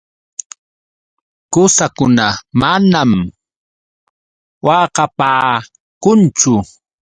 Qusakuna manam waqapaakunchu.